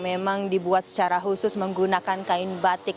memang dibuat secara khusus menggunakan kain batik